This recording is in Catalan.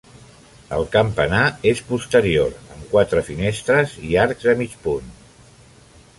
El campanar és posterior, amb quatre finestres i arcs de mig punt.